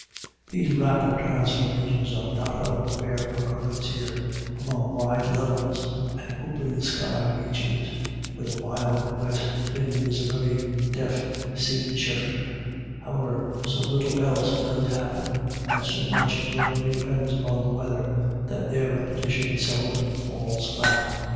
These rapid transformations are not of rare occurrence here among wide levels and open sky reaches, where the wild west wind is a very deft scene shifter ; however, so little else does happen, and so much generally depends upon the weather, that their repetition seldom falls flat.